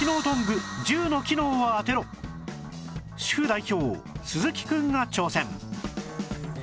主婦代表鈴木くんが挑戦